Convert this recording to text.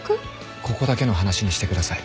ここだけの話にしてください。